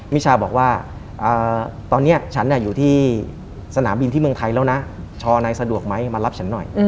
มิชาบอกว่าตอนนี้ฉันอยู่ที่สนามบินที่เมืองไทยแล้วนะชอนายสะดวกไหมมารับฉันหน่อย